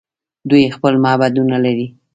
دوی خپل معبدونه لري.